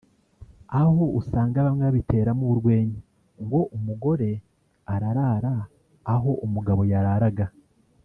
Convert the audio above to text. aho usanga bamwe babiteramo urwenya ngo umugore ararara aho umugabo yararaga